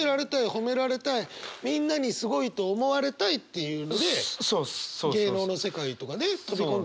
褒められたいみんなにすごいと思われたいっていうので芸能の世界とかね飛び込んでくるんだから。